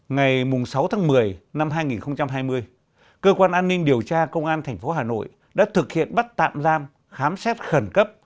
ngày sáu tháng một mươi năm hai nghìn hai mươi cơ quan an ninh điều tra công an tp hà nội đã thực hiện bắt tạm giam khám xét khẩn cấp